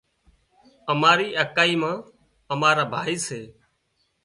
مارِي اڪائي مان مارا ڀائي سي